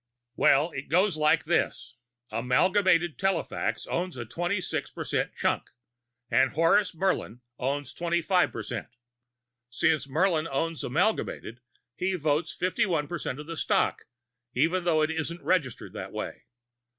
"Well, it goes like this: Amalgamated Telefax owns a twenty six percent chunk, and Horace Murlin owns twenty five percent. Since Murlin also owns Amalgamated, he votes fifty one percent of the stock, even though it isn't registered that way.